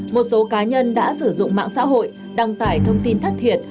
một số cá nhân đã sử dụng mạng xã hội đăng tải thông tin thất thiệt